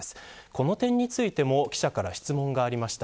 この点についても記者から質問がありました。